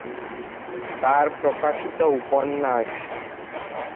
তাঁর প্রকাশিত উপন্যাস-